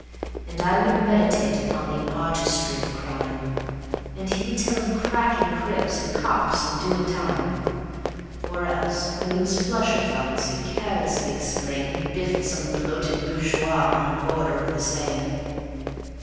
And I would meditate upon the artistry of crime, And he would tell of cracking cribs and cops and doing time; Or else when he was flush of funds he'd carelessly explain He'd biffed some bloated bourgeois on the border of the Seine.